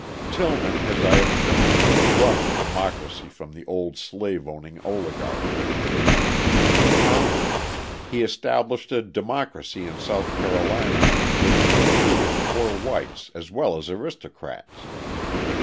Tillman, as I have shown, wrung democracy from the old slave owning oligarchy. He conquered: he established a democracy in South Carolina which included poor whites as well as aristocrats.